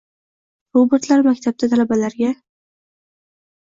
Robotlar maktabda talabalarga